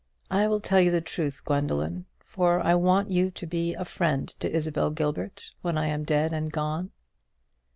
I will tell you the truth, Gwendoline; for I want you to be a friend to Isabel Gilbert when I am dead and gone."